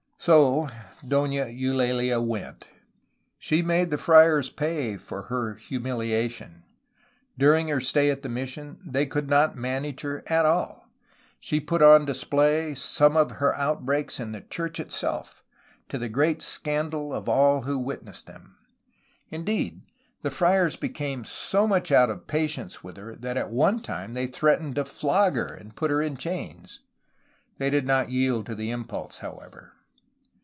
So Dona Eulaha went. She made the friars pay for her humiliation. During her stay at the mis sion they could not manage her at all. She put on display some of her outbreaks in the church itself, to the great 400 A HISTORY OF CALIFORNIA scandal of all who witnessed them. Indeed, the friars be came so much out of patience with her that at one time they threatened to flog her and put her in chains. They did not yield to the impulse, however.